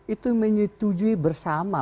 itu menyetujui bersama